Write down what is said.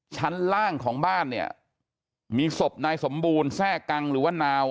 ชั้นล่างของบ้านเนี่ยมีศพนายสมบูรณ์แทร่กังหรือว่านาว